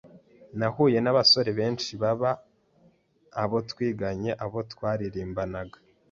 nahuye n’abasore benshi baba abo twigana, abo twaririmbanaga